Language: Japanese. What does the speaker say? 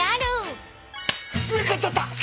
見っかっちゃった！